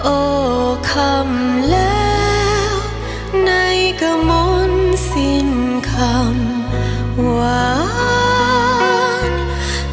โอ้คำแล้วในกระมวลสิ้นคำหวาน